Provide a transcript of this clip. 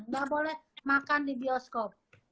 gak boleh makan di bioskop